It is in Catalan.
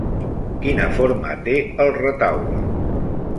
Quina forma té el retaule?